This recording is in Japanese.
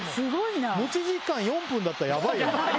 持ち時間４分だったらヤバいよね。